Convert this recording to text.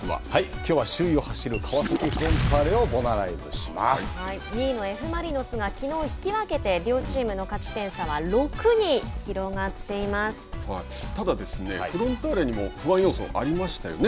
きょうは首位を走る川崎フロンターレを２位のＦ・マリノスがきのう、引き分けて両チームの勝ち点差はただフロンターレにも不安要素がありましたよね。